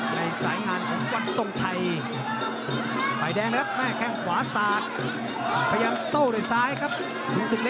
ในโกงแหลมแพงแล้ว